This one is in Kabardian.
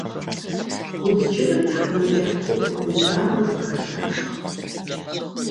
Удз кӀырым тхьэкӀумэкӀыхь цӀыкӀу гузавэу къыхэлъащ